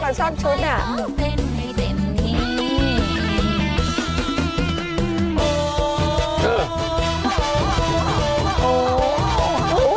เราน่าจะชอบชุดอ่ะ